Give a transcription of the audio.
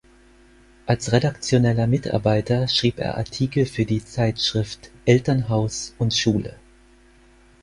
Als redaktioneller Mitarbeiter schrieb er Artikel für die Zeitschrift "Elternhaus und Schule".